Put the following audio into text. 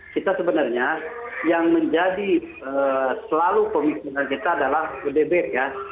kita sebenarnya yang menjadi selalu pemikiran kita adalah udb ya